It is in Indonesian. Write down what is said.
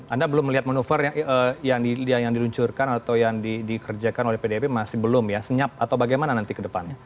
anda belum melihat manuver yang diluncurkan atau yang dikerjakan oleh pdip masih belum ya senyap atau bagaimana nanti ke depannya